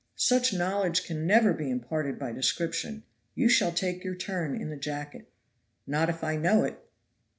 such knowledge can never be imparted by description; you shall take your turn in the jacket." "Not if I know it."